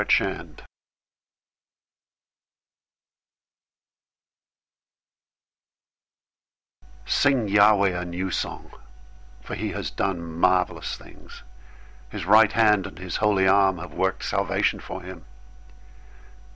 098:001 <> Sing to Yahweh a new song, for he has done marvelous things! His right hand, and his holy arm, have worked salvation for him.